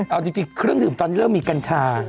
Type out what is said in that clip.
เอาจริงเครื่องดื่มตอนนี้เริ่มมีกัญชา